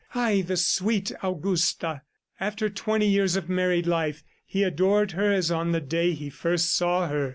Ay, the sweet Augusta! ... After twenty years of married life, he adored her as on the day he first saw her.